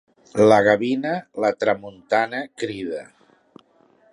La gavina, la tramuntana crida.